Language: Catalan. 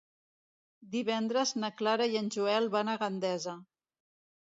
Divendres na Clara i en Joel van a Gandesa.